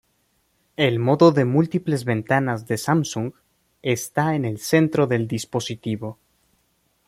El modo de múltiples ventanas de Samsung está en el centro del dispositivo.